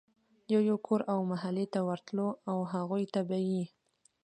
يو يو کور او محلې ته ورتلو او هغوی ته به ئي